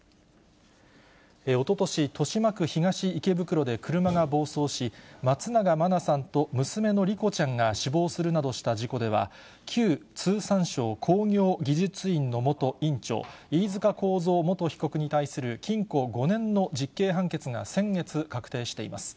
おととし、豊島区東池袋で車が暴走し、松永真菜さんと娘の莉子ちゃんが死亡するなどした事故では、旧通産省工業技術院の元院長、飯塚幸三元被告に対する禁錮５年の実刑判決が先月確定しています。